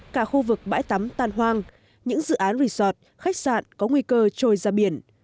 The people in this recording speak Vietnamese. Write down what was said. cả khu vực bãi tắm tan hoang những dự án resort khách sạn có nguy cơ trôi ra biển